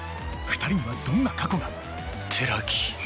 ２人にはどんな過去が寺木。